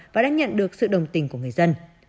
và đã nhận được sự đồng tình của người dân